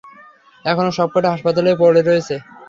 এখনো সবকয়টা হাসপাতালেই পরে রয়েছে।